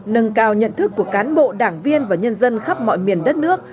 nâng cao nhận thức của cán bộ đảng viên và nhân dân khắp mọi miền đất nước